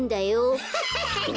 ハハハハハ！